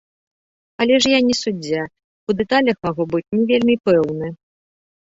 Але ж я не суддзя, у дэталях магу быць не вельмі пэўны.